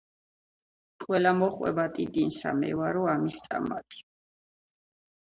ყველა მოჰყვება ტიტინსა:"მე ვარო ამის წამალი"